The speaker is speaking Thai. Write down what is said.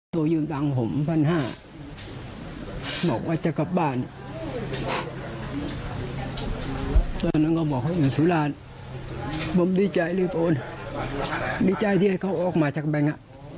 ตอนนั้นก็บอกว่าเขาอยู่สุราชผมดีใจที่ให้เขาออกมาจากแบงค์